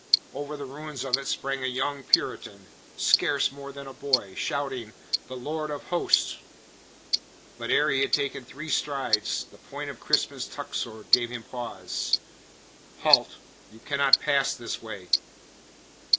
Over the ruins of it sprang a young Puritan scarce more than a boy shouting: "The Lord of Hosts!" But ere he had taken three strides the point of Crispin's tuck sword gave him pause. "Halt! You cannot pass this way."